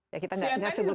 ya kita nggak sebutin